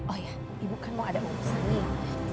oh iya ibu kan mau ada urusan nih